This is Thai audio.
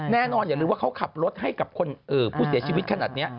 อย่าลืมว่าเขาขับรถให้กับผู้เสียชีวิตขนาดนี้